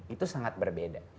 itu sangat berbeda